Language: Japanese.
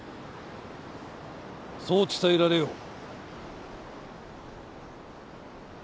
そう伝えられよう。